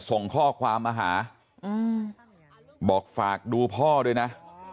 ส่งข้อความมาหาบอกฝากดูพ่อด้วยนะ